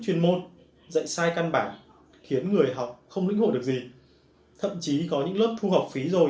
không dạy sai căn bản khiến người học không lĩnh hội được gì thậm chí có những lớp thu học phí rồi